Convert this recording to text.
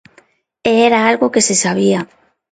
E era algo que se sabía.